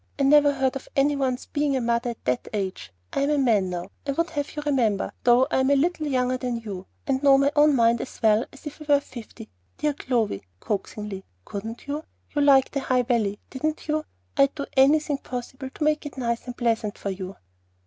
"I never heard of any one's being a mother at that age. I'm a man now, I would have you remember, though I am a little younger than you, and know my own mind as well as if I were fifty. Dear Clovy," coaxingly, "couldn't you? You liked the High Valley, didn't you? I'd do anything possible to make it nice and pleasant for you."